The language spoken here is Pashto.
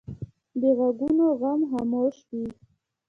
د غوږونو غم خاموش وي